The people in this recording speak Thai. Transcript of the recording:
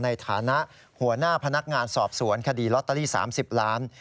ในฐานะหัวหน้าพนักงานสอบสวนคดีลอตเตอรี่๓๐ล้าน